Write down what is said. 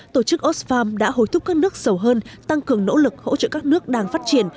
tổ chức osfarm đã hối thúc các nước sâu hơn tăng cường nỗ lực hỗ trợ các nước đang phát triển